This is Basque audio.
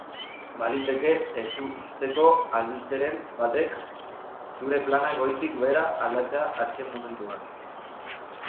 Baliteke ezusteko albisteren batek zure planak goitik behera aldatzea azken momentuan.